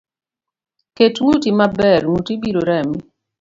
Ket nguti maber ,nguti biro Rami.